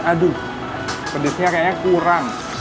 aduh pedesnya kayaknya kurang